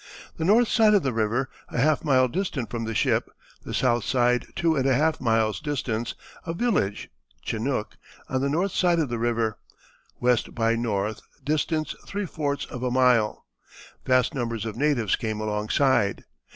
The north side of the river, a half mile distant from the ship, the south side 2½ miles distance; a village (Chinook) on the north side of the river, W. by N., distance ¾ of a mile. Vast numbers of natives came alongside.